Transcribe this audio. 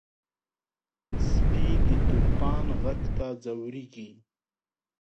سپي د طوفان غږ ته ځورېږي.